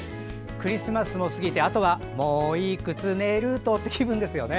クリスマスも過ぎて、あとはもういくつ寝ると、という気分ですよね。